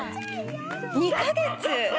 ２か月？